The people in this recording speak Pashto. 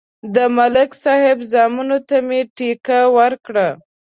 د ملک صاحب زامنو ته مې ټېکه ورکړه